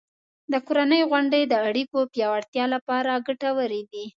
د کورنۍ غونډې د اړیکو پیاوړتیا لپاره ګټورې دي.